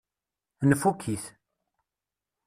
Nfukk-it.